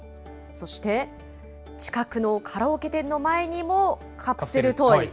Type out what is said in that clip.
そして近くのカラオケ店の前にもカプセルトイ。